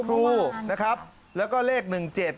ปลูกมะพร้าน้ำหอมไว้๑๐ต้น